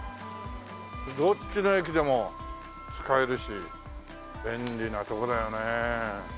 どっちの駅でも使えるし便利なとこだよね。